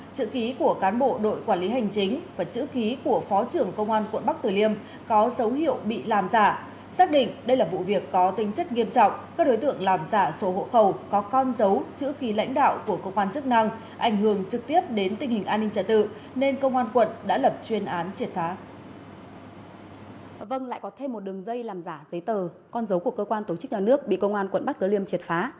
các đối tượng làm giả số hộ khẩu có con dấu chữ ký lãnh đạo của công an chức năng ảnh hưởng trực tiếp đến tình hình an ninh trả tự nên công an quận đã lập chuyên án triệt phá